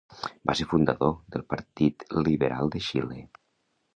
Va ser fundador del Partit Liberal de Xile.